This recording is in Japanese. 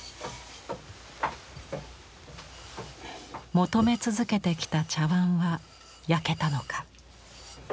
求め続けてきた茶碗は焼けたのか。